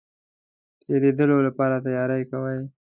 د تېرېدلو لپاره تیاری کوي.